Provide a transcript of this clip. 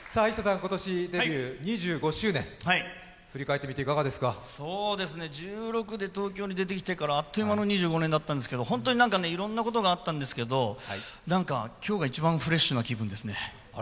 今年デビュー２５周年、１６で東京に出てきてからあっという間の２５年だったんですが本当にいろんなことがあったんですけれども今日が一番フレッシュな気分ですね。